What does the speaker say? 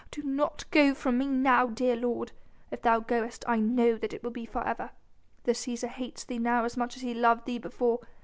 Do not go from me now, dear lord for if thou goest I know that it will be for ever.... The Cæsar hates thee now as much as he loved thee before